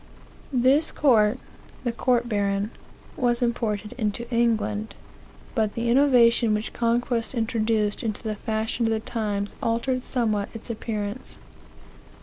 "This court (the court baron) was imported into England; but the innovation which conquest introduced into the fashion of the times altered somewhat its appearance.